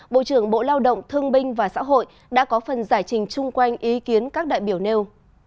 bộ trưởng bộ lao động thương binh và xã hội đã có phần giải trình chung quanh ý kiến các đại biểu nêu